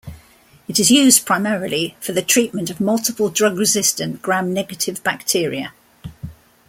It is used primarily for the treatment of multiple drug-resistant, Gram-negative bacteria.